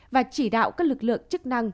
và chỉ đạo các lực lượng chức năng